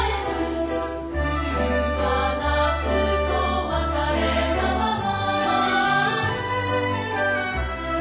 「冬は夏と別れたまま」